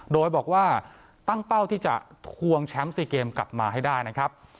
โดยบอกว่าตั้งเป้าที่จะทวงแชมป์๔เกมกลับมาให้ได้นะครับ